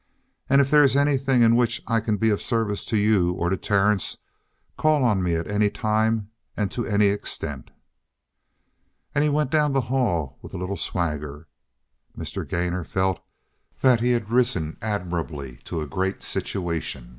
And if there is anything in which I can be of service to you or to Terence, call on me at any time and to any extent." And he went down the hall with a little swagger. Mr. Gainor felt that he had risen admirably to a great situation.